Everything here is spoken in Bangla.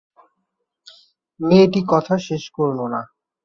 মেয়েটি কথা শেষ করল না।